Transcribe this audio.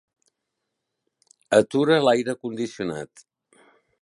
Atura l'aire condicionat.